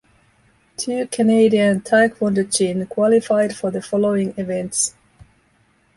Two Canadian taekwondo jin qualified for the following events.